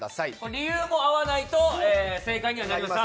理由も合わないと正解にはなりません。